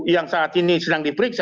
yang saat ini sedang diperiksa